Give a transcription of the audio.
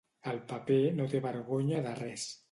El paper no té vergonya de res.